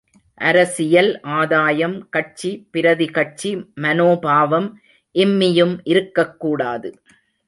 அரசியல் ஆதாயம், கட்சி பிரதி கட்சி மனோபாவம் இம்மியும் இருக்கக்கூடாது.